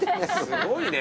すごいね。